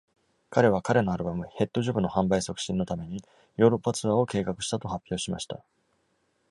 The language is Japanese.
彼は彼のアルバム「ヘッド・ジョブ」の販売促進のためにヨーロッパツアーを計画したと発表しました。